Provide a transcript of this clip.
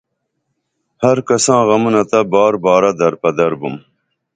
ہر کساں غمونہ تہ بار بارہ در پدر بُم